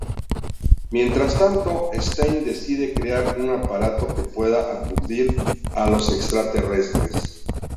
Mientras tanto, Stein decide crear un aparato que pueda aturdir a los extraterrestres.